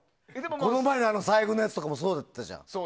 この前の財布のやつもそうだったじゃん。